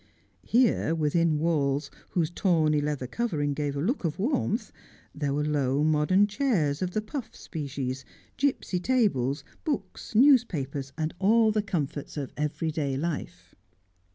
Here, within walls whose tawny leather covering gave a look of warmth, there were low modern chairs of the puff species, gipsy tables, books, newspapers, and all the comforts of every day life.